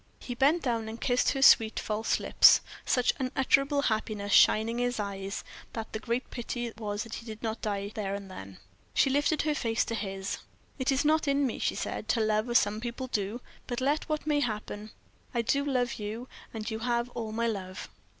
He bent down and kissed her sweet, false lips, such unutterable happiness shining in his eyes that the great pity was he did not die there and then. She lifted her face to his. "It is not in me," she said, "to love as some people do; but, let what may happen, I do love you, and you have all my love."